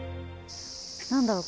何だろう？